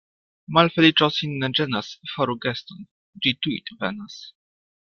Malfeliĉo sin ne ĝenas, faru geston — ĝi tuj venas.